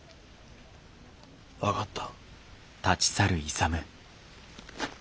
分かった。